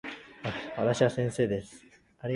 私は先生です。